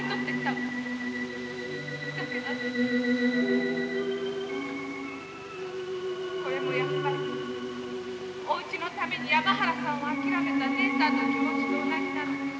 だけど私これもやっぱりおうちのために山原さんを諦めた姉さんの気持ちと同じなのねきっと。